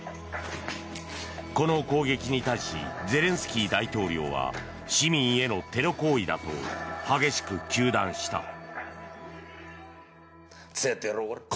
この攻撃に対しゼレンスキー大統領は市民へのテロ行為だと激しく糾弾した。